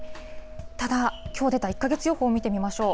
ただ、きょう出た１か月予報見てみましょう。